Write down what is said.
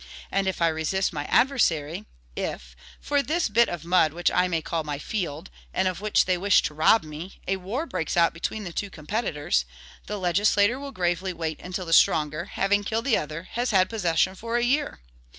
And if I resist my adversary, if, for this bit of mud which I may call MY FIELD, and of which they wish to rob me, a war breaks out between the two competitors, the legislator will gravely wait until the stronger, having killed the other, has had possession for a year!